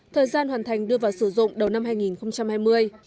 thời gian hoàn thành đưa vào sử dụng đầu năm hai nghìn hai mươi